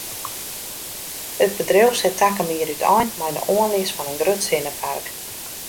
It bedriuw set takom jier útein mei de oanlis fan in grut sinnepark.